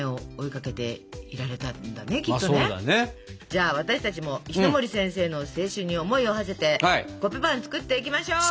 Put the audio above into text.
じゃあ私たちも石森先生の青春に思いをはせてコッペパン作っていきましょう。